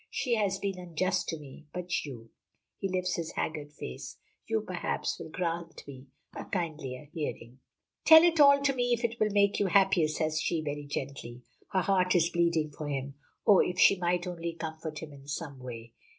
She has been unjust to me. But you," he lifts his haggard face, "you, perhaps, will grant me a kindlier hearing." "Tell it all to me, if it will make you happier," says she, very gently. Her heart is bleeding for him. Oh, if she might only comfort him in some way!